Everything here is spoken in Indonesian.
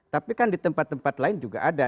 tapi kan di tempat tempat lain juga ada